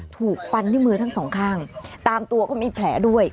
ถูกฟันที่มือทั้งสองข้างตามตัวก็มีแผลด้วย